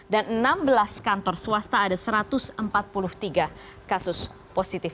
dan enam belas kantor swasta ada satu ratus empat puluh tiga kasus positif